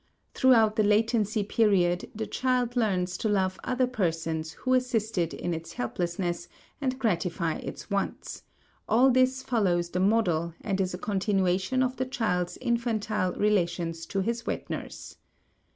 Throughout the latency period the child learns to love other persons who assist it in its helplessness and gratify its wants; all this follows the model and is a continuation of the child's infantile relations to his wet nurse.